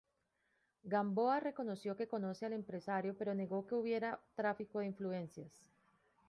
Gamboa reconoció que conoce al empresario, pero negó que hubiera tráfico de influencias.